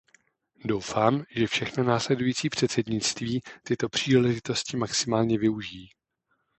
Doufám, že všechna následující předsednictví tyto příležitosti maximálně využijí.